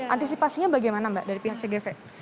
antisipasinya bagaimana mbak dari pihak cgv